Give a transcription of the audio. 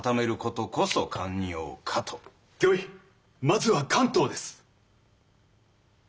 まずは関東です。